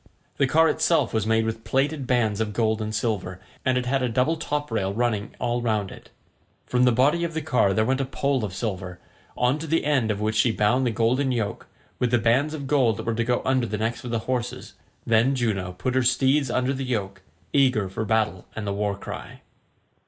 The car itself was made with plaited bands of gold and silver, and it had a double top rail running all round it. From the body of the car there went a pole of silver, on to the end of which she bound the golden yoke, with the bands of gold that were to go under the necks of the horses. Then Juno put her steeds under the yoke, eager for battle and the war cry.